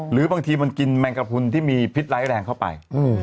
หรือบางทีมันกินแมงกระพุนที่มีพิษร้ายแรงเข้าไป